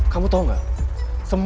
kamu tau gak